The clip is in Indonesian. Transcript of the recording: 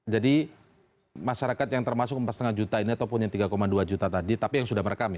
jadi masyarakat yang termasuk empat lima juta ini ataupun empat lima juta ini apa yang terjadi